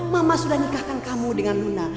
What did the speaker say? mama sudah nikahkan kamu dengan luna